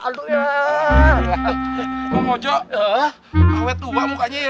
mau ngajak kawet tuh mbak mukanya